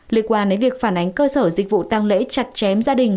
liên quan đến việc phản ánh cơ sở dịch vụ tăng lễ chặt chém gia đình